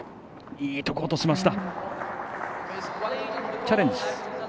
いいところに落としました。